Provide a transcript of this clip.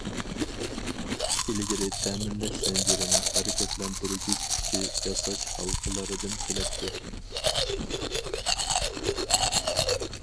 ئىلگىرى تەمىنلەش زەنجىرىنىڭ ھەرىكەتلەندۈرگۈچ كۈچى ياساش ھالقىلىرىدىن كېلەتتى.